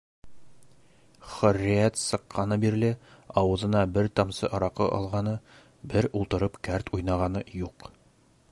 Хөрриәт сыҡҡаны бирле ауыҙына бер тамсы араҡы алғаны, бер ултырып кәрт уйнағаны юҡ.